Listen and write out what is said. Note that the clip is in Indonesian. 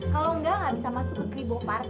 kalau nggak nggak bisa masuk ke kribo party